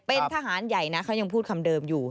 เป็นทหารใหญ่นะเขายังพูดคำเดิมอยู่